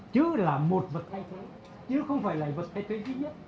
chứ là một vật thay thế chứ không phải là vật thay thế duy nhất